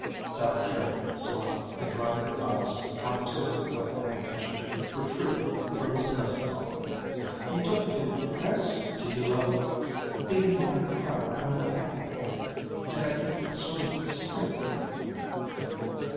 Sally Carol smiled and dried her eyes on the tip of a handkerchief protruding from his breast pocket. "You don't feel depressed, do you, lover? Even when I cry I'm happy here, and I get a sort of strength from it."